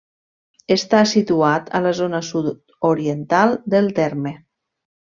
Està situat a la zona sud-oriental del terme.